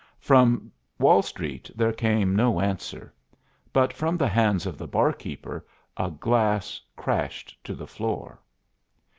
From Wall Street there came no answer, but from the hands of the barkeeper a glass crashed to the floor.